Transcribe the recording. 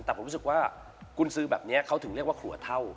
แต่ผมรู้สึกว่ากุญซื้อแบบนี้เขาถึงเรียกว่าขัวเท่า